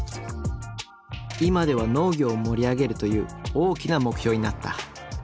今では農業を盛り上げるという大きな目標になった。